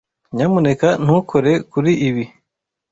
Nyamuneka ntukore kuri ibi.